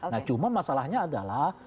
nah cuma masalahnya adalah